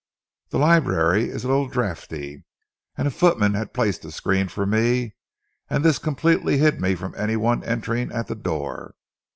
The library is a little draughty, and a footman had placed a screen for me, and this completely hid me from any one entering at the door.